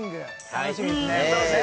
楽しみですね